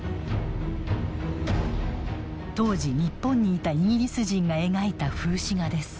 当時日本にいたイギリス人が描いた風刺画です。